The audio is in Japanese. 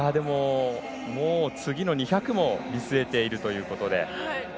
次の２００も見据えているということで。